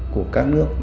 của các nước